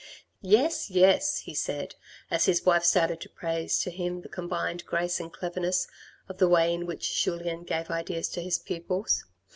" Yes, yes," he said, as his wife started to praise to him the combined grace and cleverness of the way in which Julien gave ideas to his pupils.